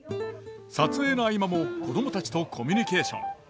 撮影の合間も子供たちとコミュニケーション。